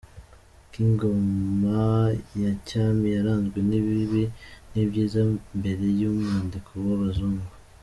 Ko ingoma ya cyami yaranzwe n’ibibi n’ibyiza mbere y’umwaduko w’abazungu